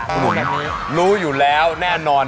คุณหุ่นรู้อยู่แล้วแน่นอน